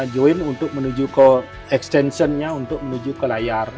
join untuk menuju ke extensionnya untuk menuju ke layar